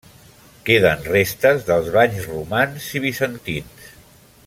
Queden restes dels banys romans i bizantins.